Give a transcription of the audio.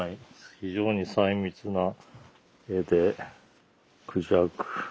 非常に細密な絵でクジャク。